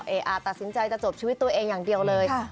ตัดสินใจจะจบชีวิตตัวเองอย่างเดียวเลย